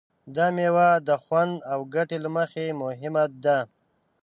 دا مېوه د خوند او ګټې له مخې مهمه ده.